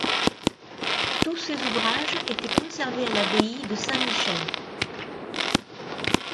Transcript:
Tous ses ouvrages étaient conservés à l'abbaye de St-Michel.